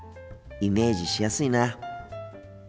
イメージしやすいな。